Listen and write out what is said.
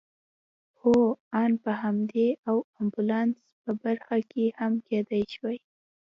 هو آن په همدې د امبولانس په برخه کې هم کېدای شوای.